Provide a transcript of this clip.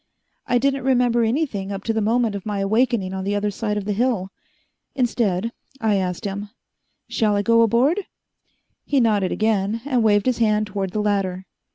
I didn't remember anything up to the moment of my awakening on the other side of the hill. Instead, I asked him: "Shall I go aboard?" He nodded again, and waved his hand toward the ladder.